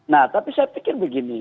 nah tapi saya pikir begini